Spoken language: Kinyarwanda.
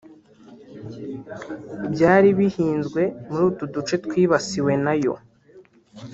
byari bihinzwe muri utu duce twibasiwe na yo